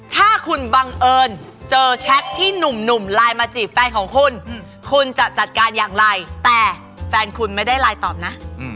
ถ้าคุณบังเอิญเจอแชทที่หนุ่มไลน์มาจีบแฟนของคุณคุณจะจัดการอย่างไรแต่แฟนคุณไม่ได้ไลน์ตอบนะ